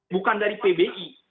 bukan dari pbi